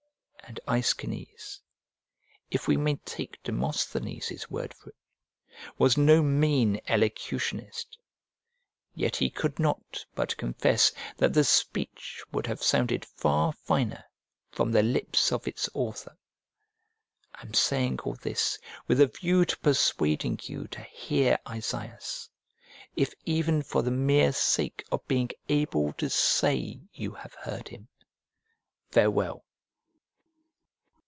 And Aeschines, if we may take Demosthenes' word for it, was no mean elocutionist; yet, he could not but confess that the speech would have sounded far finer from the lips of its author. I am saying all this with a view to persuading you to hear Isaeus, if even for the mere sake of being able to say you have heard him. Farewell.